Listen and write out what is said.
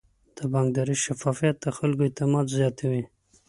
د بانکداري شفافیت د خلکو اعتماد زیاتوي.